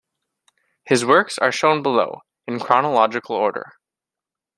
His works are shown below, in chronological order.